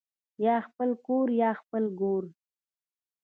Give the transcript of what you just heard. یا خپل کور یا خپل ګور